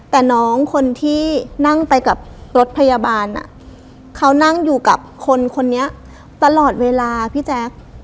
แต่น้องคนที่นั่งไปกับรถพยาบาลเขานั่งอยู่กับคนคนนี้ตลอดเวลาพี่แจ๊ค